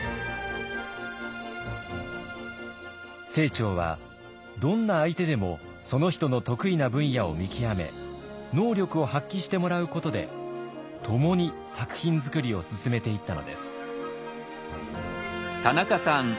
清張はどんな相手でもその人の得意な分野を見極め能力を発揮してもらうことで共に作品作りを進めていったのです。